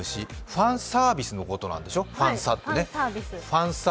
ファンサービスのことなんでしょファンサってね。